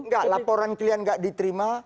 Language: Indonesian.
enggak laporan kalian nggak diterima